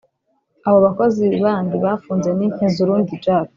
Abo bakozi bandi bafunze ni Ntezurundi Jacques